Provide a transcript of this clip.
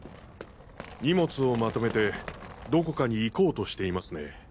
荷物をまとめてどこかに行こうとしていますね。